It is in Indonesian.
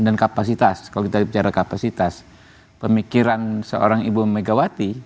dan kapasitas kalau kita bicara kapasitas pemikiran seorang ibu megawati